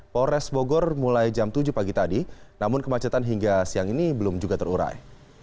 polres bogor mulai jam tujuh pagi tadi namun kemacetan hingga siang ini belum juga terurai